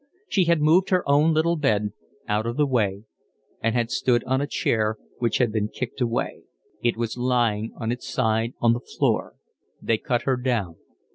She had moved her own little bed out of the way and had stood on a chair, which had been kicked away. It was lying on its side on the floor. They cut her down.